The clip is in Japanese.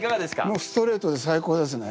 もうストレートで最高ですね。